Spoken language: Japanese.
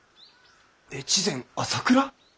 越前朝倉！？